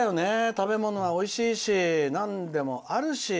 食べ物はおいしいしなんでもあるし。